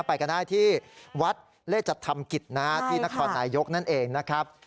ไปกันได้ที่วัดเลจธรรมกิจที่นครนายยกนั่นเองนะครับ